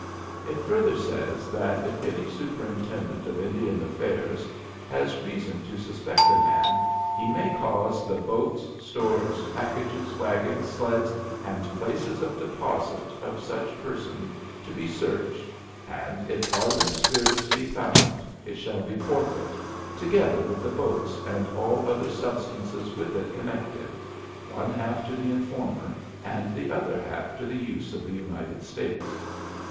It further says that if any superintendent of Indian affairs has reason to suspect a man, he may cause the "boats, stores, packages, wagons, sleds, and places of deposit" of such person to be searched, and if ardent spirits be found it shall be forfeit, together with the boats and all other substances with it connected, one half to the informer and the other half to the use of the United States.